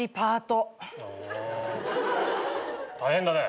大変だね。